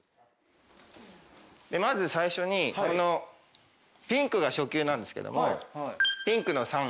まず最初にピンクが初級なんですけどもピンクの３。